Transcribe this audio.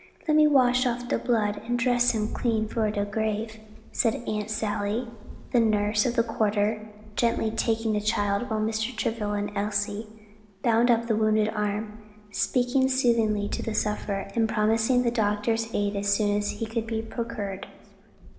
Let me wash off de blood an' dress him clean for de grave," said Aunt Sally, the nurse of the quarter, gently taking the child, while Mr. Travilla and Elsie bound up the wounded arm, speaking soothingly to the sufferer, and promising the doctor's aid as soon as it could be procured.